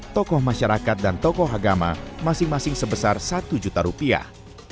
tokoh masyarakat dan tokoh agama masing masing sebesar satu juta rupiah